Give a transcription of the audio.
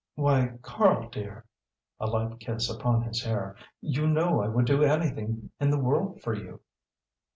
"Why Karl, dear" a light kiss upon his hair "you know I would do anything in the world for you."